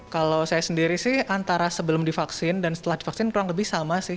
kalau saya sendiri sih antara sebelum divaksin dan setelah divaksin kurang lebih sama sih